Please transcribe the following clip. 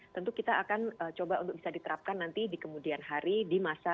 tentu kita akan coba untuk bisa diterapkan nanti di kemudian hari di masjid di tempat tempat